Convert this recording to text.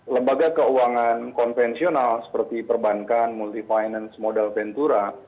lembaga keuangan konvensional seperti perbankan multi finance modal ventura